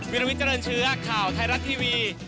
วิลวิเจริญเชื้อข่าวไทยรัฐทีวี